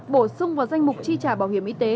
bổ sung vào danh mục chi trả bảo hiểm y tế